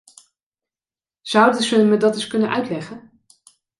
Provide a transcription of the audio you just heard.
Zouden ze me dat eens kunnen uitleggen?